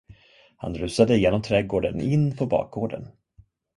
Han rusade genom trädgården in på bakgården.